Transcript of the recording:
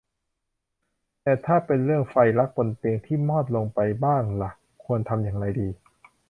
แต่ถ้าเป็นเรื่องไฟรักบนเตียงที่มอดลงไปบ้างล่ะ ควรทำอย่างไรดี